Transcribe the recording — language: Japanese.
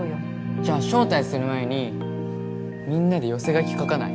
じゃあ招待する前にみんなで寄せ書き書かない？